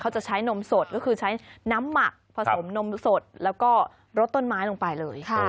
จะใช้นมสดก็คือใช้น้ำหมักผสมนมสดแล้วก็รสต้นไม้ลงไปเลย